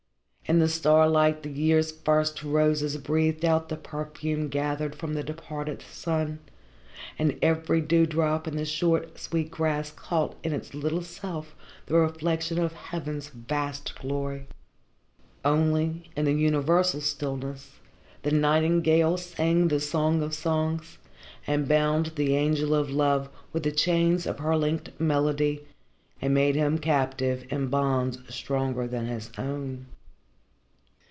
In the starlight the year's first roses breathed out the perfume gathered from the departed sun, and every dewdrop in the short, sweet grass caught in its little self the reflection of heaven's vast glory. Only, in the universal stillness, the nightingale sang the song of songs, and bound the angel of love with the chains of her linked melody and made him captive in bonds stronger than his own."